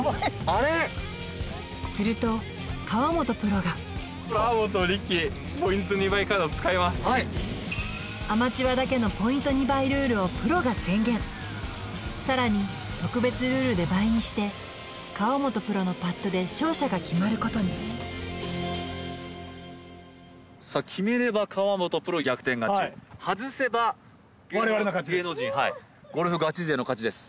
あれっすると河本プロがアマチュアだけのポイント２倍ルールをプロが宣言さらに特別ルールで倍にして河本プロのパットで勝者が決まることに決めれば河本プロ逆転勝ち外せば我々の勝ちです